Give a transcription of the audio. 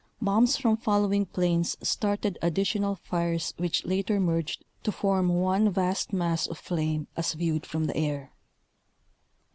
Bombs from following planes started additional fires which later merged to form one vast mass of flame as viewed from the air.